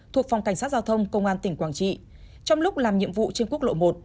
thuộc phòng cảnh sát giao thông công an tỉnh quảng trị trong lúc làm nhiệm vụ trên quốc lộ một